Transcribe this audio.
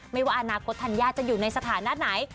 ไม่ว่าอนาคตธัญญาจะอยู่ในสถานะไหน